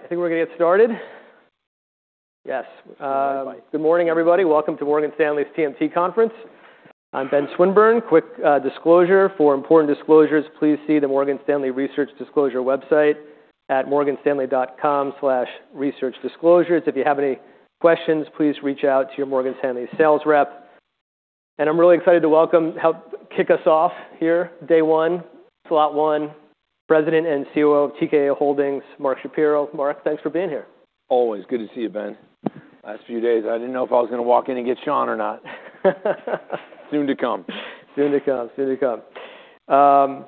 All right, I think we're gonna get started. Yes. Good morning, everybody. Welcome to Morgan Stanley's TMT conference. I'm Ben Swinburne. Quick disclosure. For important disclosures, please see the Morgan Stanley Research Disclosure website at morganstanley.com/researchdisclosures. If you have any questions, please reach out to your Morgan Stanley sales rep. I'm really excited to welcome, help kick us off here, day one, slot one, President and COO of TKO Holdings, Mark Shapiro. Mark, thanks for being here. Always. Good to see you, Ben. Last few days, I didn't know if I was gonna walk in and get Sean or not. Soon to come. Soon to come. Soon to come.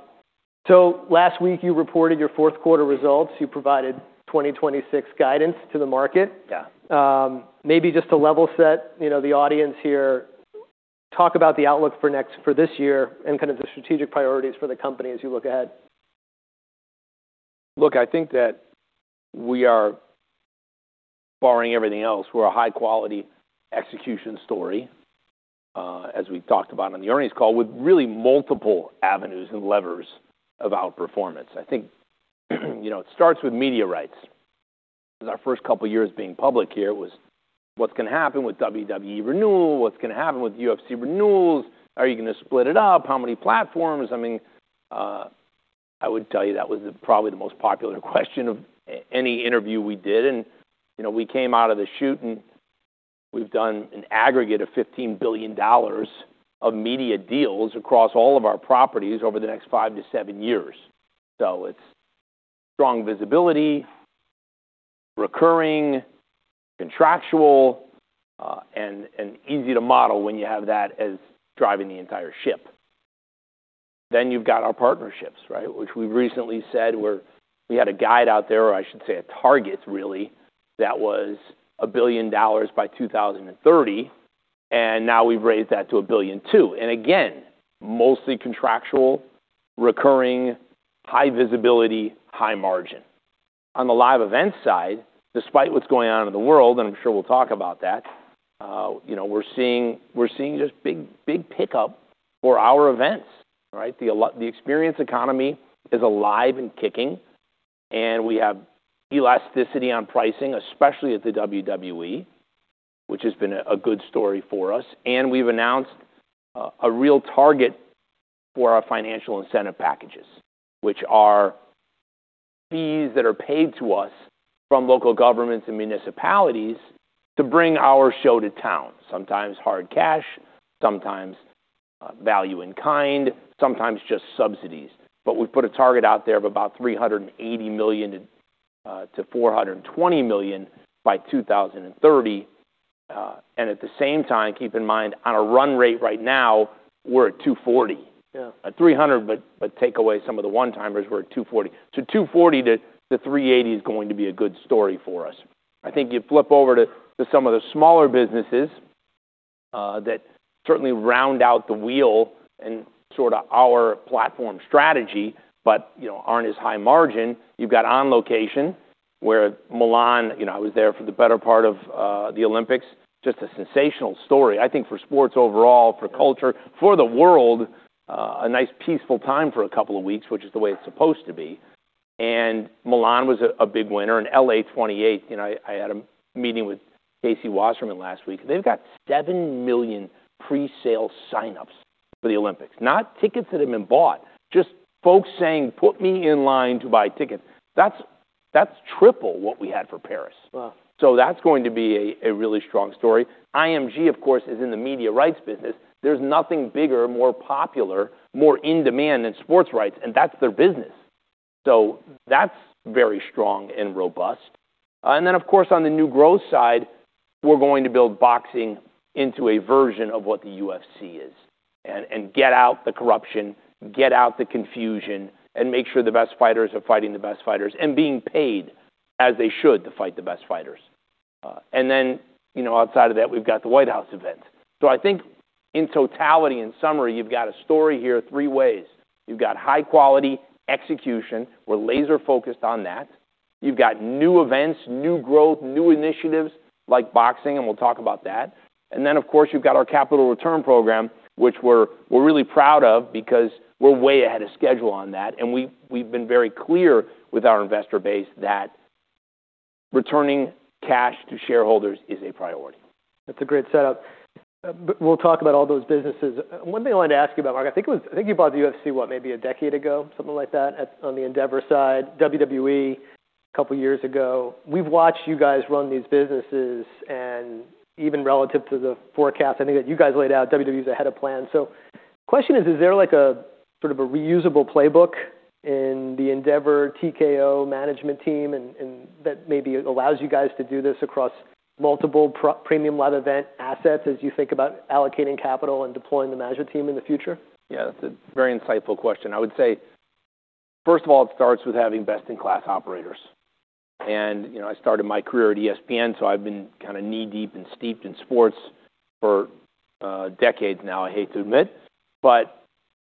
Last week you reported your fourth quarter results. You provided 2026 guidance to the market. Yeah. Maybe just to level set, you know, the audience here, talk about the outlook for this year and kind of the strategic priorities for the company as you look ahead. Look, I think that we are, barring everything else, we're a high-quality execution story, as we talked about on the earnings call, with really multiple avenues and levers of outperformance. I think, you know, it starts with media rights. 'Cause our first couple years being public here was what's gonna happen with WWE renewal? What's gonna happen with UFC renewals? Are you gonna split it up? How many platforms? I mean, I would tell you that was probably the most popular question of any interview we did. You know, we came out of the shoot, and we've done an aggregate of $15 billion of media deals across all of our properties over the next five to seven years. It's strong visibility, recurring, contractual, and easy to model when you have that as driving the entire ship. You've got our partnerships, right? Which we've recently said we had a guide out there, or I should say a target really, that was $1 billion by 2030, and now we've raised that to $1.2 billion. Again, mostly contractual, recurring, high visibility, high margin. On the live event side, despite what's going on in the world, and I'm sure we'll talk about that, you know, we're seeing just big pickup for our events, right? The experience economy is alive, and kicking, and we have elasticity on pricing, especially at the WWE, which has been a good story for us. We've announced a real target for our financial incentive packages, which are fees that are paid to us from local governments and municipalities to bring our show to town. Sometimes hard cash, sometimes value in kind, sometimes just subsidies. We've put a target out there of about $380 million-$420 million by 2030. At the same time, keep in mind on a run rate right now, we're at $240 million. Yeah. Take away some of the one-timers, we're at $240. $240 to $380 is going to be a good story for us. I think you flip over to some of the smaller businesses that certainly round out the wheel, and sort of our platform strategy, but, you know, aren't as high margin. You've got On Location, where Milan, you know, I was there for the better part of the Olympics. Just a sensational story, I think, for sports overall, for culture, for the world, a nice peaceful time for a couple of weeks, which is the way it's supposed to be. Milan was a big winner. L.A. 28, you know, I had a meeting with Casey Wasserman last week. They've got $7 million pre-sale signups for the Olympics. Not tickets that have been bought, just folks saying, "Put me in line to buy tickets." That's triple what we had for Paris. Wow. That's going to be a really strong story. IMG, of course, is in the media rights business. There's nothing bigger, more popular, more in demand than sports rights, and that's their business. That's very strong and robust. Then, of course, on the new growth side, we're going to build boxing into a version of what the UFC is, and get out the corruption, get out the confusion, and make sure the best fighters are fighting the best fighters and being paid as they should to fight the best fighters. Then, you know, outside of that, we've got the White House event. I think in totality, in summary, you've got a story here three ways. You've got high quality execution. We're laser focused on that. You've got new events, new growth, new initiatives like boxing, and we'll talk about that. Of course, you've got our capital return program, which we're really proud of because we're way ahead of schedule on that, and we've been very clear with our investor base that returning cash to shareholders is a priority. That's a great setup. We'll talk about all those businesses. One thing I wanted to ask you about, Mark, I think you bought the UFC what? Maybe a decade ago, something like that on the Endeavor side. WWE couple years ago. We've watched you guys run these businesses, and even relative to the forecast, I think that you guys laid out, WWE is ahead of plan. Question is there like a sort of a reusable playbook in the Endeavor TKO management team, and that maybe allows you guys to do this across multiple Premium Live Event assets as you think about allocating capital and deploying the management team in the future? Yeah, that's a very insightful question. I would say, first of all, it starts with having best-in-class operators. You know, I started my career at ESPN, so I've been kinda knee-deep and steeped in sports for decades now, I hate to admit.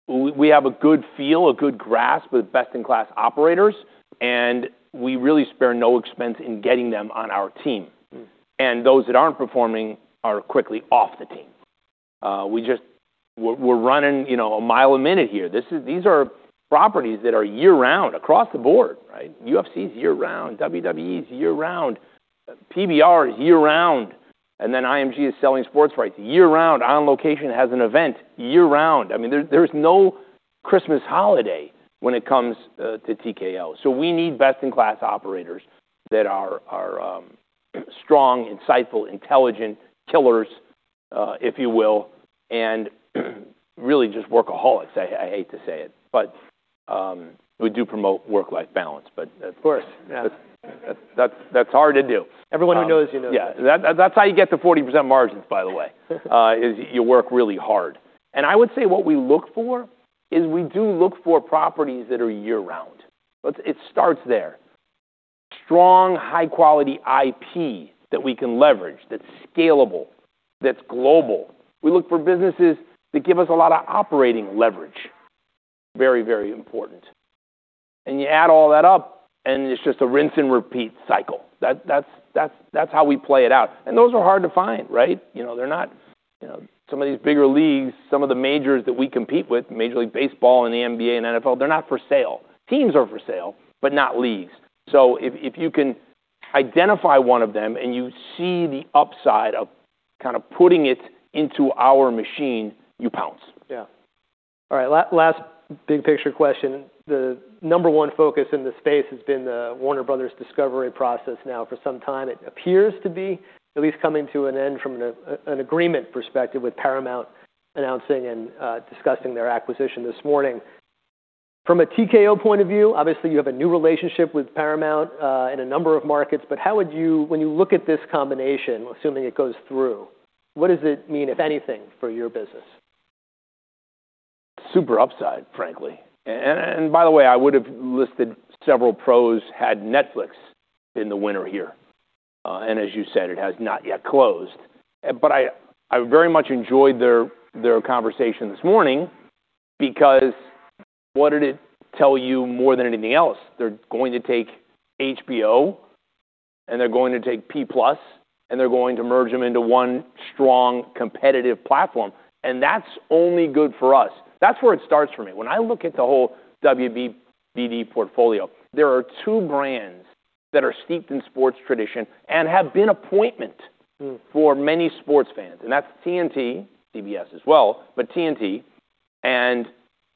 We have a good feel, a good grasp with best-in-class operators, and we really spare no expense in getting them on our team. Mm. Those that aren't performing are quickly off the team. We're running, you know, a mile a minute here. These are properties that are year-round across the board, right? UFC is year-round, WWE is year-round, PBR is year-round, and then IMG is selling sports rights year-round. On Location has an event year-round. I mean, there's no Christmas holiday when it comes to TKO. We need best-in-class operators that are strong, insightful, intelligent killers, if you will, and really just workaholics. I hate to say it, but we do promote work-life balance. Of course. Yeah. That's hard to do. Everyone who knows you knows that. Yeah. That's how you get to 40% margins, by the way. Is you work really hard. I would say what we look for is we do look for properties that are year-round. It starts there. Strong, high quality IP that we can leverage, that's scalable, that's global. We look for businesses that give us a lot of operating leverage. Very, very important. You add all that up, and it's just a rinse and repeat cycle. That's how we play it out. Those are hard to find, right? You know, they're not. You know, some of these bigger leagues, some of the majors that we compete with, Major League Baseball and the NBA and NFL, they're not for sale. Teams are for sale, but not leagues. If you can identify one of them and you see the upside of kind of putting it into our machine, you pounce. Yeah. All right. Last big picture question. The number one focus in the space has been the Warner Bros. Discovery process now for some time. It appears to be at least coming to an end from an agreement perspective with Paramount announcing and discussing their acquisition this morning. From a TKO point of view, obviously, you have a new relationship with Paramount in a number of markets, but how would you... When you look at this combination, assuming it goes through, what does it mean, if anything, for your business? Super upside, frankly. By the way, I would have listed several pros had Netflix in the winter here. As you said, it has not yet closed. I very much enjoyed their conversation this morning because what did it tell you more than anything else? They're going to take HBO, and they're going to take Peacock Plus, and they're going to merge them into one strong competitive platform. That's only good for us. That's where it starts for me. When I look at the whole WBD portfolio, there are two brands that are steeped in sports tradition and have been appointment. Mm-hmm... for many sports fans, and that's TNT, CBS as well, but TNT and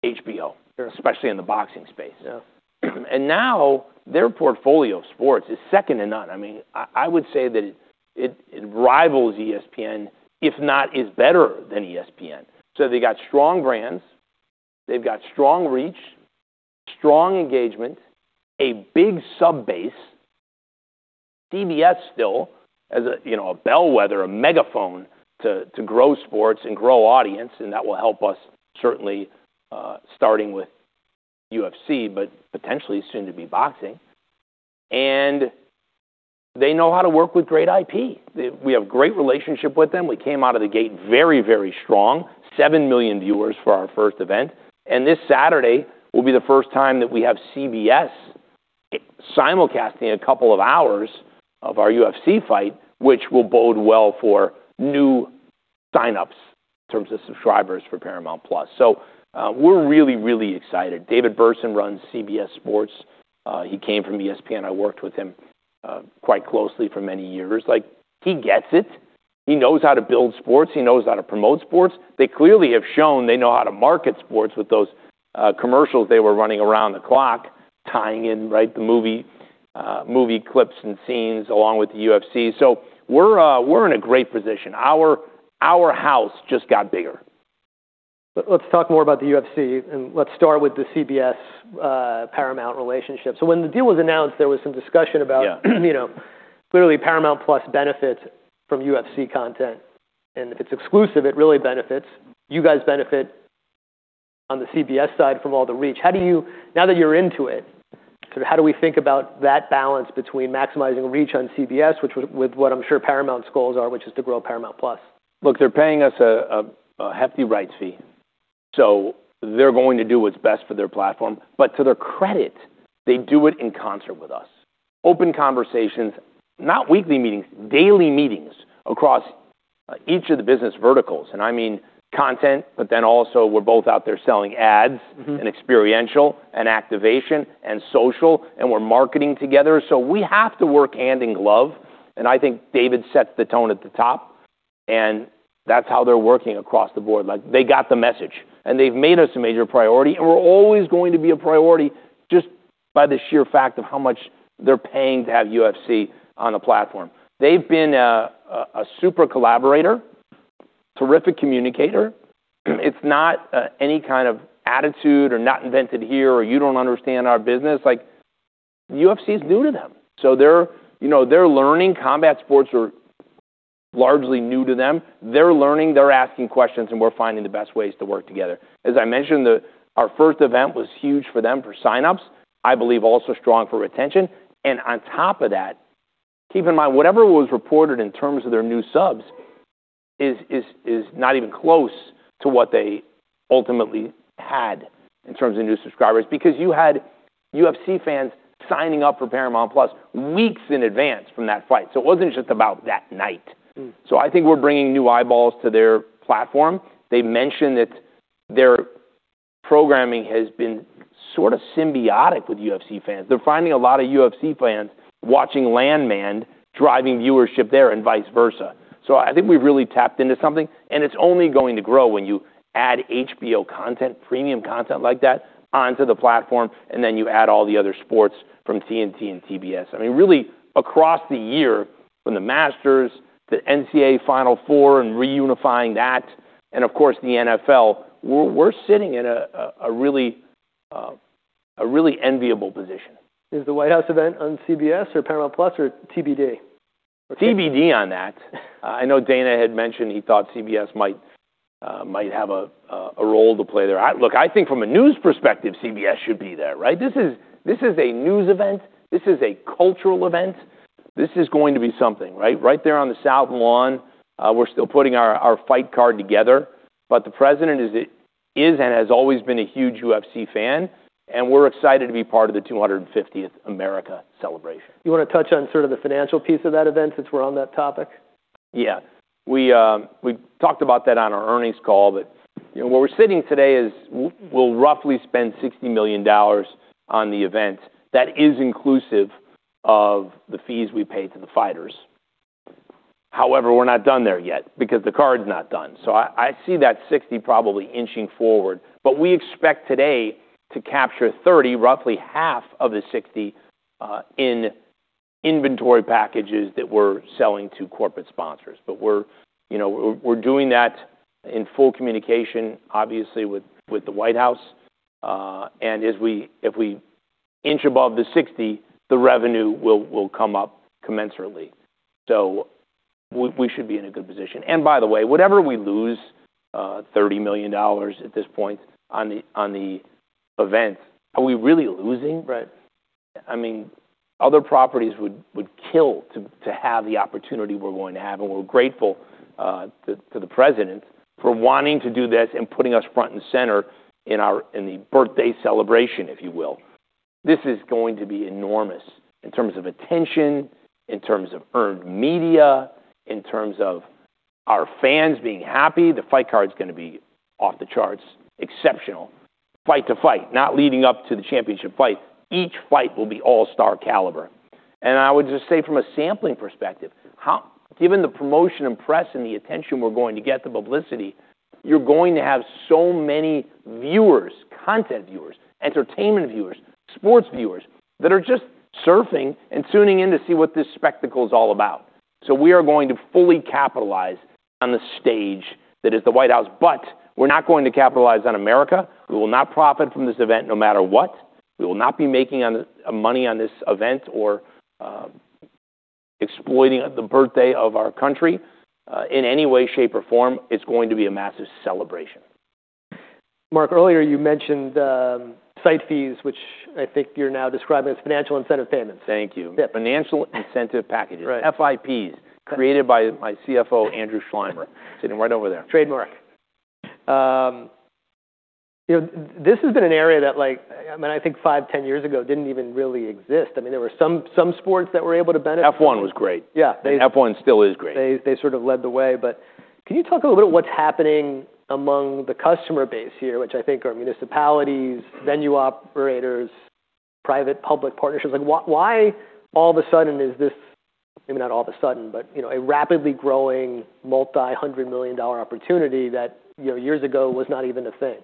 HBO. Sure ...especially in the boxing space. Yeah. Now their portfolio of sports is second to none. I mean, I would say that it rivals ESPN, if not is better than ESPN. They got strong brands, they've got strong reach, strong engagement, a big sub base. CBS still as a, you know, a bellwether, a megaphone to grow sports, and grow audience, and that will help us certainly, starting with UFC, but potentially soon to be boxing. They know how to work with great IP. We have great relationship with them. We came out of the gate very, very strong. Seven million viewers for our first event. This Saturday will be the first time that we have CBS simulcasting a couple of hours of our UFC fight, which will bode well for new signups in terms of subscribers for Paramount+. We're really, really excited. David Berson runs CBS Sports. He came from ESPN. I worked with him quite closely for many years. Like, he gets it. He knows how to build sports, he knows how to promote sports. They clearly have shown they know how to market sports with those commercials they were running around the clock, tying in, right, the movie movie clips and scenes along with the UFC. We're in a great position. Our, our house just got bigger. Let's talk more about the UFC, and let's start with the CBS, Paramount relationship. When the deal was announced, there was some discussion. Yeah... you know, clearly Paramount+ benefits from UFC content, and if it's exclusive, it really benefits. You guys benefit on the CBS side from all the reach. Now that you're into it, sort of how do we think about that balance between maximizing reach on CBS, which with what I'm sure Paramount's goals are, which is to grow Paramount+? Look, they're paying us a hefty rights fee, so they're going to do what's best for their platform. To their credit, they do it in concert with us. Open conversations, not weekly meetings, daily meetings across each of the business verticals, and I mean content, but then also we're both out there selling ads- Mm-hmm... and experiential and activation and social, we're marketing together. We have to work hand in glove, I think David sets the tone at the top, that's how they're working across the board. Like, they got the message, they've made us a major priority, we're always going to be a priority just by the sheer fact of how much they're paying to have UFC on the platform. They've been a super collaborator, terrific communicator. It's not any kind of attitude or not invented here or you don't understand our business. Like, UFC is new to them, so they're, you know, they're learning. Combat sports are largely new to them. They're learning, they're asking questions, we're finding the best ways to work together. As I mentioned, our first event was huge for them for signups, I believe also strong for retention. On top of that, keep in mind, whatever was reported in terms of their new subs is not even close to what they ultimately had in terms of new subscribers, because you had UFC fans signing up for Paramount+ weeks in advance from that fight. It wasn't just about that night. Mm. I think we're bringing new eyeballs to their platform. They mentioned that their programming has been sort of symbiotic with UFC fans. They're finding a lot of UFC fans watching Landman, driving viewership there and vice versa. I think we've really tapped into something, and it's only going to grow when you add HBO content, premium content like that onto the platform, and then you add all the other sports from TNT and TBS. I mean, really across the year from the Masters to NCAA Final Four and reunifying that, and of course, the NFL, we're sitting in a really enviable position. Is the White House event on CBS or Paramount Plus or TBD? TBD on that. I know Dana had mentioned he thought CBS might might have a role to play there. Look, I think from a news perspective, CBS should be there, right? This is a news event. This is a cultural event. This is going to be something, right? Right there on the South Lawn. We're still putting our fight card together, but the president is and has always been a huge UFC fan, and we're excited to be part of the 250th America celebration. You wanna touch on sort of the financial piece of that event since we're on that topic? We talked about that on our earnings call, you know, where we're sitting today is we'll roughly spend $60 million on the event. That is inclusive of the fees we pay to the fighters. We're not done there yet because the card's not done. I see that $60 probably inching forward. We expect today to capture 30, roughly half of the $60, in inventory packages that we're selling to corporate sponsors. We're, you know, we're doing that in full communication, obviously, with the White House. If we inch above the $60, the revenue will come up commensurately. We should be in a good position. By the way, whatever we lose, $30 million at this point on the event, are we really losing? Right. I mean, other properties would kill to have the opportunity we're going to have. We're grateful to the President for wanting to do this, and putting us front and center in the birthday celebration, if you will. This is going to be enormous in terms of attention, in terms of earned media, in terms of our fans being happy. The fight card is gonna be off the charts exceptional. Fight to fight, not leading up to the championship fight. Each fight will be all-star caliber. I would just say from a sampling perspective, given the promotion, and press and the attention we're going to get, the publicity, you're going to have so many viewers, content viewers, entertainment viewers, sports viewers that are just surfing and tuning in to see what this spectacle is all about. We are going to fully capitalize on the stage that is the White House, but we're not going to capitalize on America. We will not profit from this event no matter what. We will not be making money on this event or exploiting the birthday of our country in any way, shape, or form. It's going to be a massive celebration. Mark, earlier you mentioned, site fees, which I think you're now describing as financial incentive packages. Thank you. Yeah. Financial incentive packages. Right. FIPs created by my CFO, Andrew Schleimer, sitting right over there. Trademark. you know, this has been an area that, like, I mean, I think 5, 10 years ago didn't even really exist. I mean, there were some sports that were able to benefit. F1 was great. Yeah. F1 still is great. They sort of led the way. Can you talk a little bit what's happening among the customer base here, which I think are municipalities, venue operators, private-public partnerships? Like, why all of a sudden is this, maybe not all of a sudden, but you know, a rapidly growing multi-hundred million dollar opportunity that, you know, years ago was not even a thing?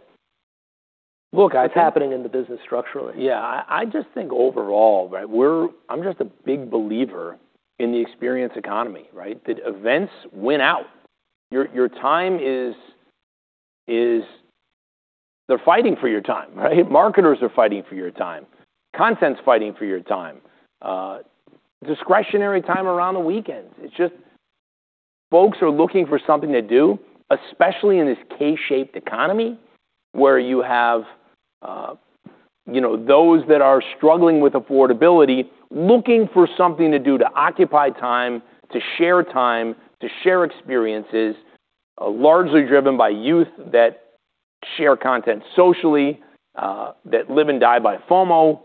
Look. What's happening in the business structurally? Yeah. I just think overall, right, I'm just a big believer in the experience economy, right? That events win out. Your time is... They're fighting for your time, right? Marketers are fighting for your time. Content's fighting for your time. Discretionary time around the weekends. It's just folks are looking for something to do, especially in this K-shaped economy, where you have, you know, those that are struggling with affordability, looking for something to do to occupy time, to share time, to share experiences, largely driven by youth that share content socially, that live and die by FOMO,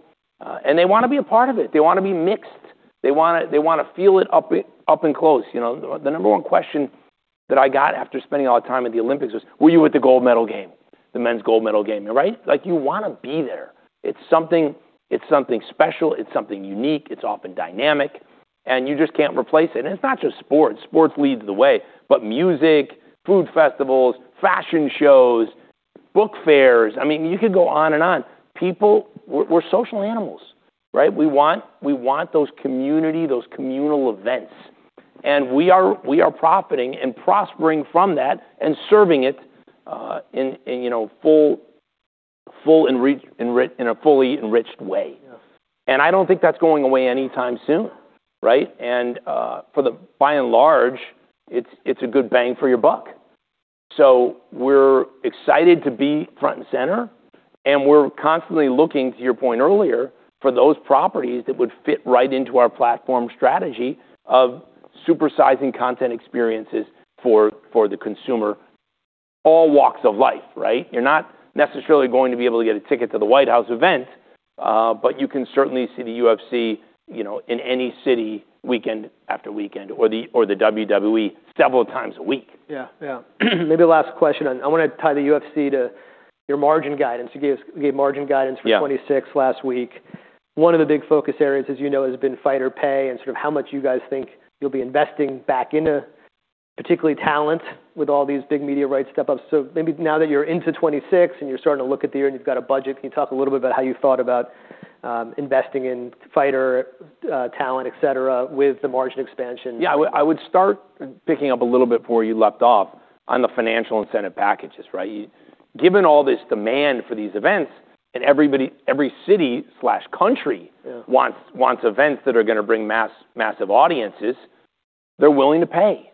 and they wanna be a part of it. They wanna be mixed. They wanna feel it up and close. You know? The number one question that I got after spending a lot of time at the Olympics was, "Were you at the gold medal game?" The men's gold medal game, right? Like, you wanna be there. It's something special, it's something unique, it's often dynamic, and you just can't replace it. It's not just sports. Sports leads the way, but music, food festivals, fashion shows, book fairs. I mean, you could go on and on. People, we're social animals, right? We want those community, those communal events, and we are profiting and prospering from that and serving it, you know, in a fully enriched way. Yeah. I don't think that's going away anytime soon, right? For the by and large, it's a good bang for your buck. We're excited to be front and center. We're constantly looking, to your point earlier, for those properties that would fit right into our platform strategy of supersizing content experiences for the consumer, all walks of life, right? You're not necessarily going to be able to get a ticket to the White House event, but you can certainly see the UFC, you know, in any city weekend after weekend, or the WWE several times a week. Yeah. Yeah. Maybe the last question. I wanna tie the UFC to your margin guidance. You gave margin guidance for 2026 last week. One of the big focus areas, as you know, has been fighter pay, and sort of how much you guys think you'll be investing back into particularly talent with all these big media rights step-ups. Maybe now that you're into 2026, and you're starting to look at the year and you've got a budget, can you talk a little bit about how you thought about investing in fighter talent, et cetera, with the margin expansion? Yeah. I would start picking up a little bit before you left off on the Financial Incentive Packages, right? Given all this demand for these events and every city/country. Yeah... wants events that are gonna bring massive audiences, they're willing to pay.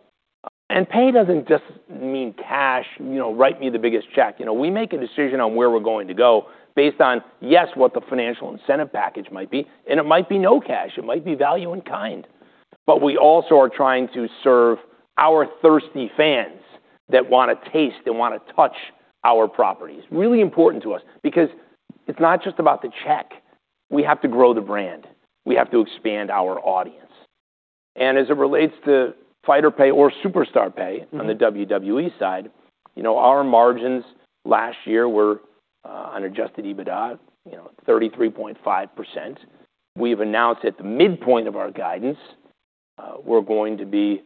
Pay doesn't just mean cash, you know, write me the biggest check. You know, we make a decision on where we're going to go based on, yes, what the Financial Incentive Package might be, and it might be no cash, it might be value in kind. We also are trying to serve our thirsty fans that wanna taste, that wanna touch our properties. Really important to us because it's not just about the check. We have to grow the brand. We have to expand our audience. As it relates to fighter pay or superstar pay on the WWE side, you know, our margins last year were on adjusted EBITDA, you know, 33.5%. We've announced at the midpoint of our guidance, we're going to be,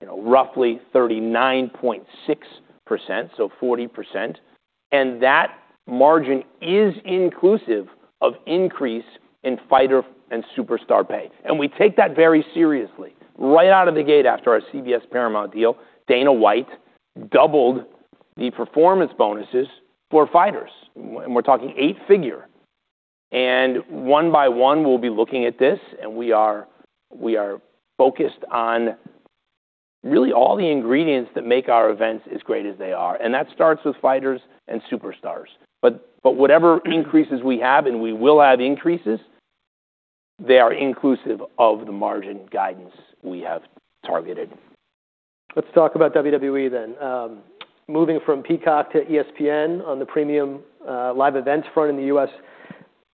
you know, roughly 39.6%, so 40%. That margin is inclusive of increase in fighter, and superstar pay. We take that very seriously. Right out of the gate after our CBS Paramount deal, Dana White doubled the performance bonuses for fighters, and we're talking 8-figure. One by one, we'll be looking at this, and we are focused on really all the ingredients that make our events as great as they are, and that starts with fighters and superstars. Whatever increases we have, and we will add increases, they are inclusive of the margin guidance we have targeted. Let's talk about WWE. Moving from Peacock to ESPN on the premium live events front in the U.S.,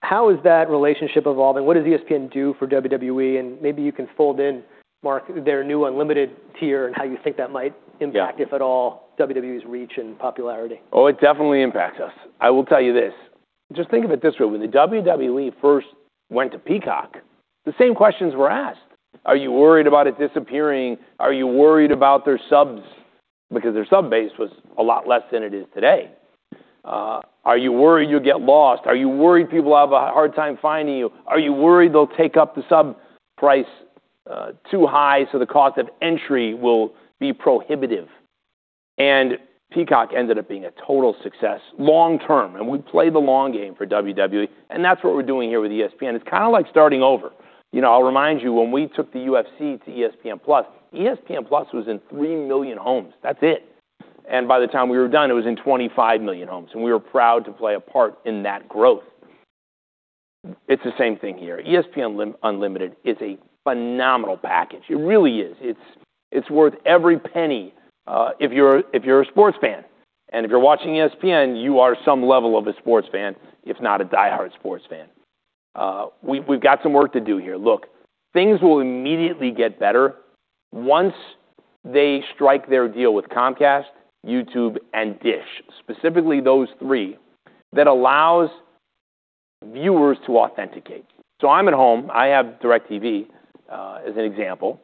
how is that relationship evolving? What does ESPN do for WWE? Maybe you can fold in, Mark, their new unlimited tier and how you think that might impact- Yeah... if at all, WWE's reach and popularity. It definitely impacts us. I will tell you this. Just think of it this way. When the WWE first went to Peacock, the same questions were asked. Are you worried about it disappearing? Are you worried about their subs? Their sub base was a lot less than it is today. Are you worried you'll get lost? Are you worried people have a hard time finding you? Are you worried they'll take up the sub price too high so the cost of entry will be prohibitive? Peacock ended up being a total success long term, and we play the long game for WWE, and that's what we're doing here with ESPN. It's kinda like starting over. You know, I'll remind you, when we took the UFC to ESPN+, ESPN+ was in 3 million homes. That's it. By the time we were done, it was in 25 million homes, and we were proud to play a part in that growth. It's the same thing here. ESPN Unlimited is a phenomenal package. It really is. It's, it's worth every penny, if you're, if you're a sports fan. If you're watching ESPN, you are some level of a sports fan, if not a diehard sports fan. We've, we've got some work to do here. Look, things will immediately get better once they strike their deal with Comcast, YouTube, and Dish, specifically those three, that allows viewers to authenticate. I'm at home, I have DirecTV, as an example,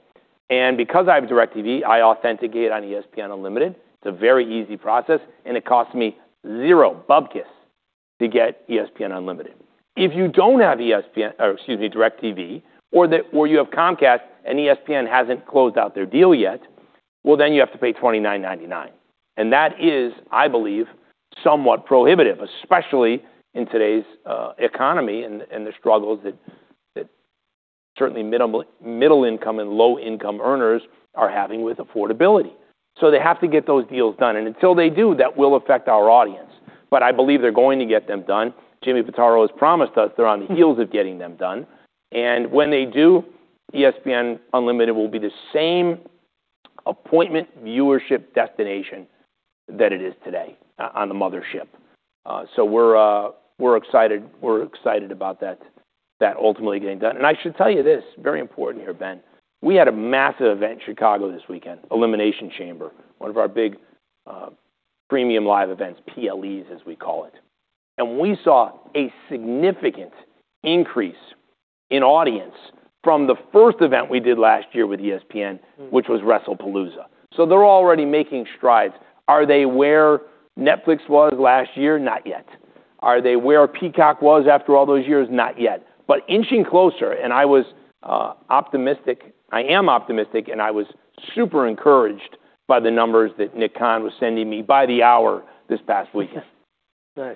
and because I have DiIRECTV, I authenticate on ESPN Unlimited. It's a very easy process, and it costs me zero, bupkis to get ESPN Unlimited. If you don't have ESPN or excuse me, DIRECTV or you have Comcast and ESPN hasn't closed out their deal yet, well, then you have to pay $29.99. That is, I believe, somewhat prohibitive, especially in today's economy and the struggles that certainly middle income and low income earners are having with affordability. They have to get those deals done. Until they do, that will affect our audience. I believe they're going to get them done. Jimmy Pitaro has promised us they're on the heels of getting them done. When they do, ESPN Unlimited will be the same appointment viewership destination that it is today on the mothership. We're excited about that ultimately getting done. I should tell you this, very important here, Ben. We had a massive event in Chicago this weekend, Elimination Chamber, one of our big premium live events, PLEs as we call it. We saw a significant increase in audience from the first event we did last year with ESPN, which was WrestlePalooza. They're already making strides. Are they where Netflix was last year? Not yet. Are they where Peacock was after all those years? Not yet. Inching closer, and I was optimistic. I am optimistic, and I was super encouraged by the numbers that Nick Khan was sending me by the hour this past weekend. Nice.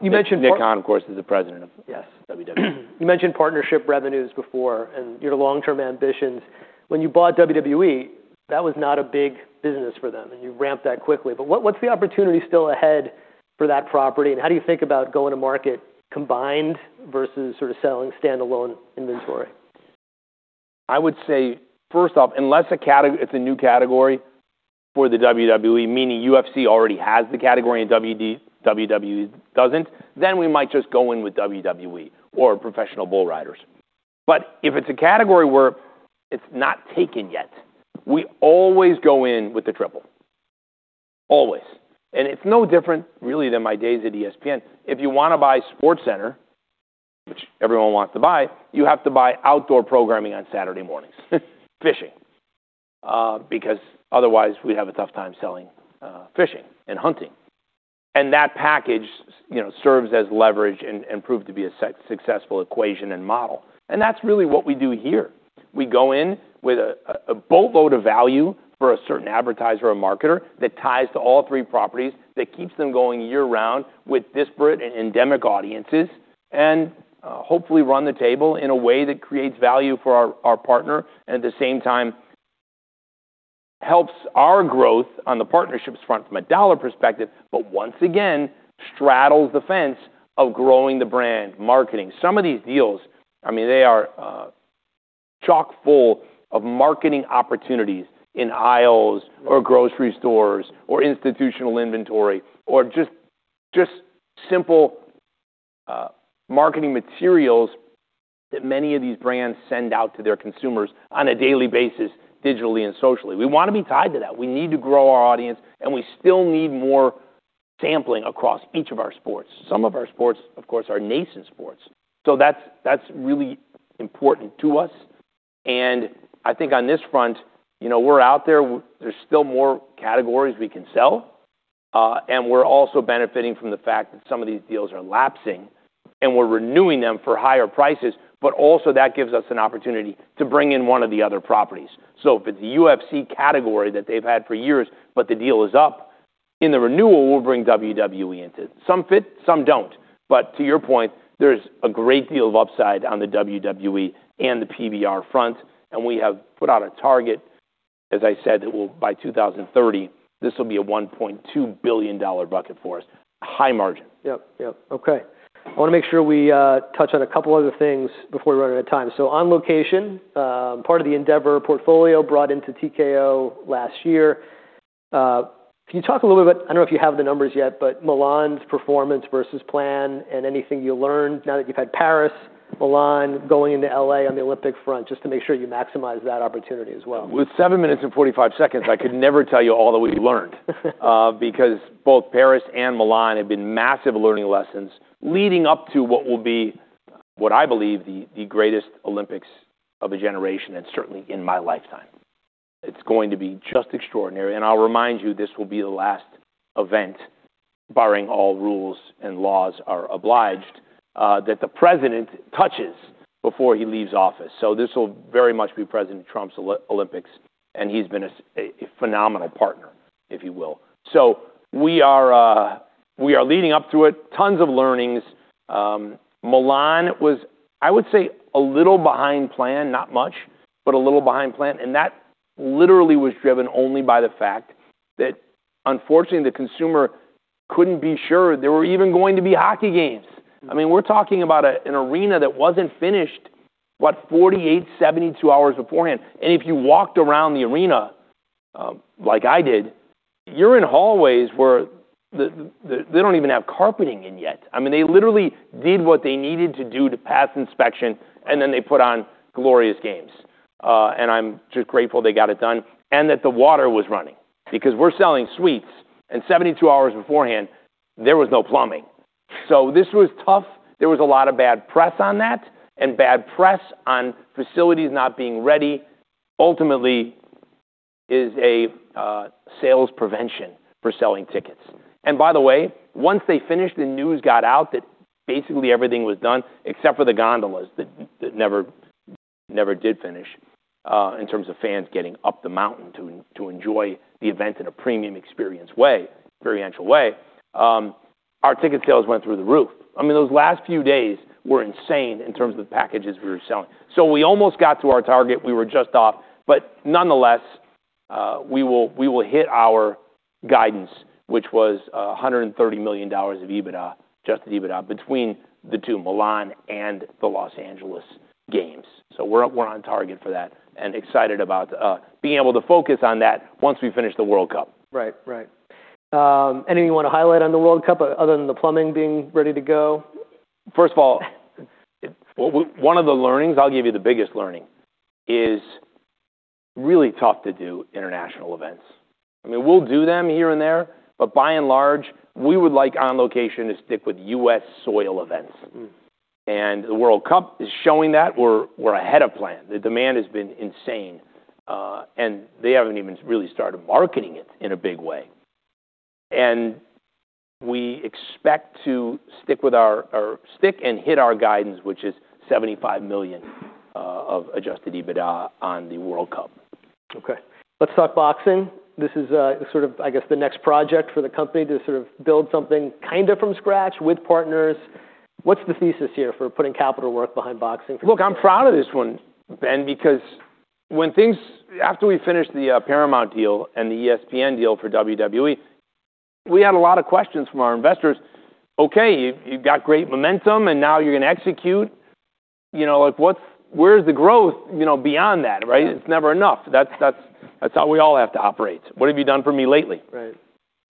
you mentioned- Nick Khan, of course, is the President. Yes... WWE. You mentioned partnership revenues before and your long-term ambitions. When you bought WWE, that was not a big business for them, and you ramped that quickly. What's the opportunity still ahead for that property? How do you think about going to market combined versus sort of selling standalone inventory? I would say, first off, unless it's a new category for the WWE, meaning UFC already has the category and WWE doesn't, then we might just go in with WWE or Professional Bull Riders. If it's a category where it's not taken yet, we always go in with the triple. Always. It's no different really than my days at ESPN. If you wanna buy SportsCenter, which everyone wants to buy, you have to buy outdoor programming on Saturday mornings. Fishing. Because otherwise we'd have a tough time selling, fishing and hunting. That package, you know, serves as leverage, and proved to be a successful equation and model. That's really what we do here. We go in with a boatload of value for a certain advertiser or marketer that ties to all three properties, that keeps them going year-round with disparate and endemic audiences, and hopefully run the table in a way that creates value for our partner, and at the same time helps our growth on the partnerships front from a dollar perspective. Once again, straddles the fence of growing the brand, marketing. Some of these deals, I mean, they are chock-full of marketing opportunities in aisles or grocery stores or institutional inventory or just simple marketing materials that many of these brands send out to their consumers on a daily basis digitally and socially. We wanna be tied to that. We need to grow our audience, and we still need more sampling across each of our sports. Some of our sports, of course, are nascent sports, so that's really important to us. I think on this front, you know, there's still more categories we can sell, and we're also benefiting from the fact that some of these deals are lapsing, and we're renewing them for higher prices, but also that gives us an opportunity to bring in one of the other properties. If it's a UFC category that they've had for years, but the deal is up, in the renewal, we'll bring WWE into it. Some fit, some don't. To your point, there's a great deal of upside on the WWE and the PBR front, and we have put out a target, as I said, that will by 2030, this will be a $1.2 billion bucket for us. High margin. Yep. Yep. Okay. I wanna make sure we touch on a couple other things before we run out of time. On Location, part of the Endeavor portfolio brought into TKO last year. Can you talk a little bit... I don't know if you have the numbers yet, but Milan's performance versus plan, and anything you learned now that you've had Paris, Milan, going into L.A. on the Olympic front, just to make sure you maximize that opportunity as well. With 7 minutes and 45 seconds, I could never tell you all that we've learned. Both Paris and Milan have been massive learning lessons leading up to what will be, what I believe, the greatest Olympics of a generation, and certainly in my lifetime. It's going to be just extraordinary. I'll remind you, this will be the last event, barring all rules and laws are obliged, that the president touches before he leaves office. This will very much be President Trump's Olympics, and he's been a phenomenal partner, if you will. We are leading up to it. Tons of learnings. Milan was, I would say, a little behind plan, not much, but a little behind plan, and that literally was driven only by the fact that unfortunately, the consumer couldn't be sure there were even going to be hockey games. I mean, we're talking about an arena that wasn't finished, what, 48, 72 hours beforehand. If you walked around the arena, like I did, you're in hallways where they don't even have carpeting in yet. I mean, they literally did what they needed to do to pass inspection, and then they put on glorious games. I'm just grateful they got it done, and that the water was running. We're selling suites, and 72 hours beforehand, there was no plumbing. This was tough. There was a lot of bad press on that and bad press on facilities not being ready ultimately is a sales prevention for selling tickets. By the way, once they finished, the news got out that basically everything was done, except for the gondolas that never did finish in terms of fans getting up the mountain to enjoy the event in a premium experience way, experiential way, our ticket sales went through the roof. I mean, those last few days were insane in terms of the packages we were selling. We almost got to our target. We were just off. Nonetheless, we will hit our guidance, which was $130 million of adjusted EBITDA between the two, Milan and the Los Angeles games. We're on target for that and excited about being able to focus on that once we finish the World Cup. Right. Right. Anything you wanna highlight on the World Cup other than the plumbing being ready to go? One of the learnings, I'll give you the biggest learning, is really tough to do international events. I mean, we'll do them here and there, but by and large, we would like On Location to stick with U.S. soil events. Mm-hmm. The World Cup is showing that we're ahead of plan. The demand has been insane, and they haven't even really started marketing it in a big way. We expect to stick and hit our guidance, which is $75 million of adjusted EBITDA on the World Cup. Okay. Let's talk boxing. This is, sort of, I guess, the next project for the company to sort of build something kinda from scratch with partners. What's the thesis here for putting capital work behind boxing? Look, I'm proud of this one, Ben, because after we finished the Paramount deal and the ESPN deal for WWE, we had a lot of questions from our investors. You've got great momentum, and now you're gonna execute. Like, where's the growth, you know, beyond that, right? It's never enough. That's how we all have to operate. What have you done for me lately? Right.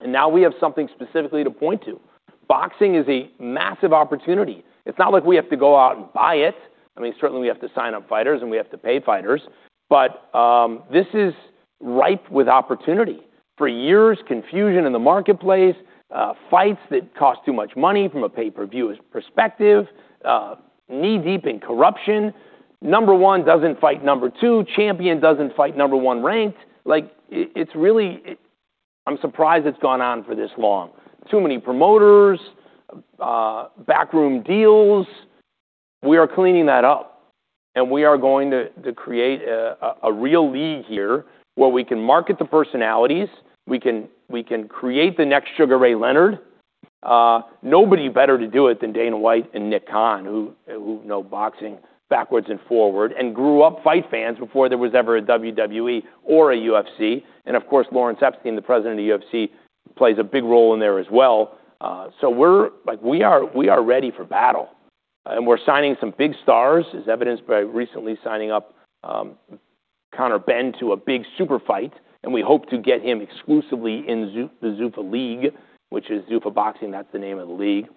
Now we have something specifically to point to. Boxing is a massive opportunity. It's not like we have to go out and buy it. I mean, certainly we have to sign up fighters, and we have to pay fighters. This is ripe with opportunity. For years, confusion in the marketplace, fights that cost too much money from a pay-per-view perspective, knee-deep in corruption. Number one doesn't fight number two, champion doesn't fight number one ranked. Like, I'm surprised it's gone on for this long. Too many promoters, backroom deals. We are cleaning that up, and we are going to create a real league here where we can market the personalities. We can create the next Sugar Ray Leonard. Nobody better to do it than Dana White and Nick Khan, who know boxing backwards and forward and grew up fight fans before there was ever a WWE or a UFC. Of course, Lawrence Epstein, the president of UFC, plays a big role in there as well. We are ready for battle. We're signing some big stars, as evidenced by recently signing up Conor Benn to a big super fight, and we hope to get him exclusively in the Zuffa league, which is Zuffa Boxing, that's the name of the league.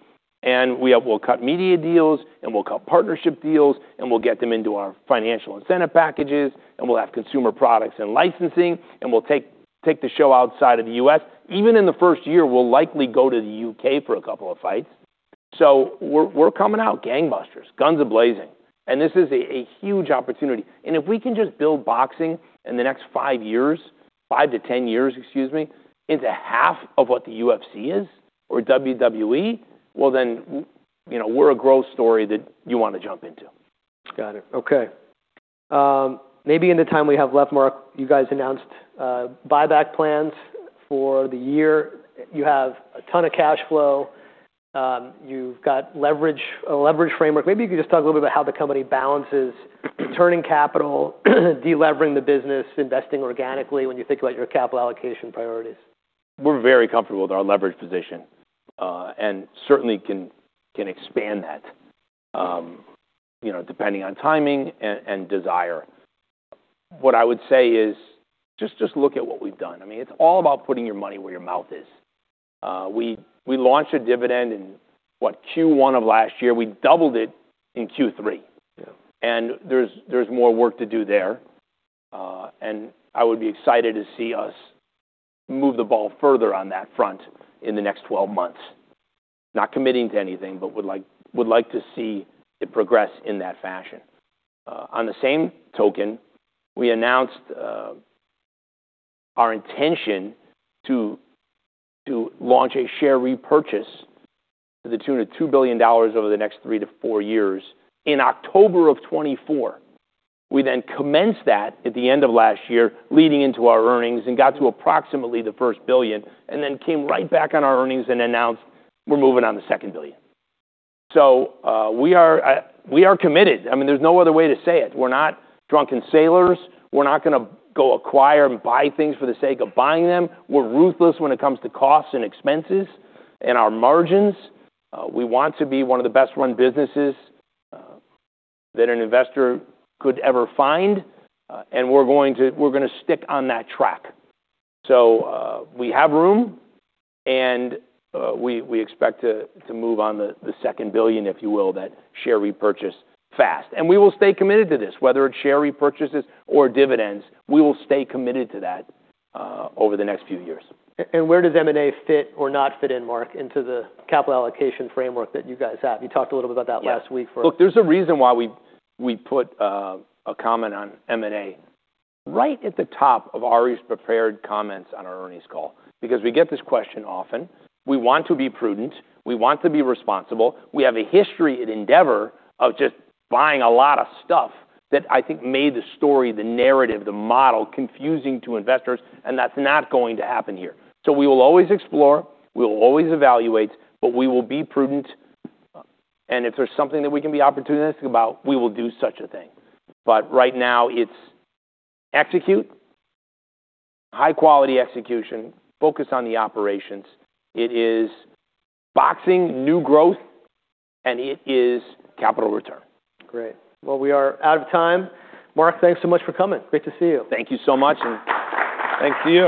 We'll cut media deals, and we'll cut partnership deals, and we'll get them into our financial incentive packages, and we'll have consumer products and licensing, and we'll take the show outside of the U.S. Even in the first year, we'll likely go to the U.K. for two fights. We're coming out gangbusters, guns a-blazing. This is a huge opportunity. If we can just build boxing in the next five years, 5-10 years, excuse me, into half of what the UFC is or WWE, you know, we're a growth story that you wanna jump into. Got it. Okay. Maybe in the time we have left, Mark, you guys announced buyback plans for the year. You have a ton of cash flow. You've got leverage, a leverage framework. Maybe you could just talk a little bit about how the company balances returning capital, de-levering the business, investing organically when you think about your capital allocation priorities. We're very comfortable with our leverage position, certainly can expand that, you know, depending on timing and desire. What I would say is just look at what we've done. I mean, it's all about putting your money where your mouth is. We launched a dividend in, what, Q1 of last year. We doubled it in Q3. Yeah. There's more work to do there. I would be excited to see us move the ball further on that front in the next 12 months. Not committing to anything, but would like to see it progress in that fashion. On the same token, we announced our intention to launch a share repurchase to the tune of $2 billion over the next three to four years in October 2024. We commenced that at the end of last year, leading into our earnings and got to approximately the first billion and then came right back on our earnings and announced we're moving on the second billion. We are committed. I mean, there's no other way to say it. We're not drunken sailors. We're not gonna go acquire and buy things for the sake of buying them. We're ruthless when it comes to costs and expenses and our margins. We want to be one of the best run businesses that an investor could ever find. We're gonna stick on that track. We have room and we expect to move on the $2 billion, if you will, that share repurchase fast. We will stay committed to this, whether it's share repurchases or dividends. We will stay committed to that over the next few years. Where does M&A fit or not fit in, Mark, into the capital allocation framework that you guys have? You talked a little bit about that last week. Look, there's a reason why we put a comment on M&A right at the top of Ari's prepared comments on our earnings call. We get this question often. We want to be prudent. We want to be responsible. We have a history at Endeavor of just buying a lot of stuff that I think made the story, the narrative, the model confusing to investors, and that's not going to happen here. We will always explore, we will always evaluate, but we will be prudent. If there's something that we can be opportunistic about, we will do such a thing. Right now it's execute, high-quality execution, focus on the operations. It is boxing, new growth, and it is capital return. Great. Well, we are out of time. Mark, thanks so much for coming. Great to see you. Thank you so much and thanks to you.